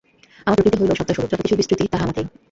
আমার প্রকৃতি হইল সত্তাস্বরূপ, যত কিছু বিস্তৃতি, তাহা আমাতেই।